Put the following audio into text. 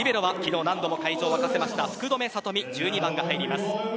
リベロは昨日何度も会場を沸かせた福留慧美１２番が入ります。